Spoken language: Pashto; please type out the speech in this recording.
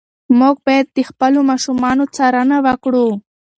موږ باید د خپلو ماشومانو څارنه وکړو.